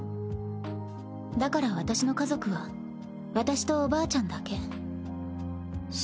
だから私の家族は私とおばあちゃんだけ。